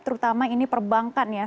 terutama ini perbankan ya